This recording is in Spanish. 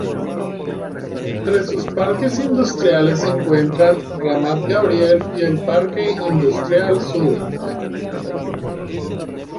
Entre sus parques industriales se encuentran: Ramat Gabriel, y el parque industrial Sur.